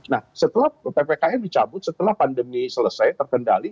nah setelah ppkm dicabut setelah pandemi selesai terkendali